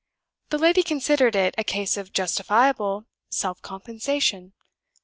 The lady considered it a case of justifiable self compensation.